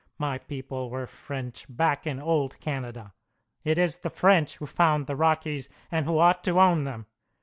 My people were French back in old Canada. It is the French who found the Rockies, and who ought to own them!